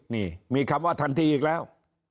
นี่มีคำว่าทันทีอีกแล้ว